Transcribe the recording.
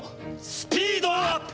スピードアップ！